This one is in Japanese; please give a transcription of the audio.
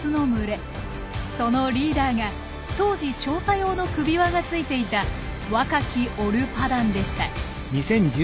そのリーダーが当時調査用の首輪がついていた若きオルパダンでした。